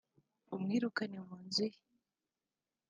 amwirukane mu nzu ye